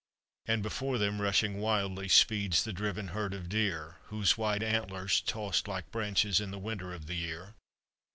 And, before them, rushing wildly, Speeds the driven herd of deer, "Whose wide antlers, tossed like branches, In the winter of the year.